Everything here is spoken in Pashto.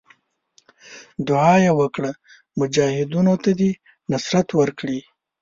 دعا یې وکړه مجاهدینو ته دې نصرت ورکړي.